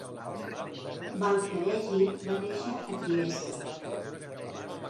Valcareggi va néixer a Trieste.